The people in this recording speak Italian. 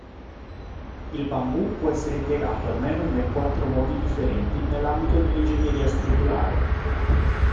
Il bambù può essere impiegato almeno in ben quattro modi differenti nell’ambito dell’ingegneria strutturale.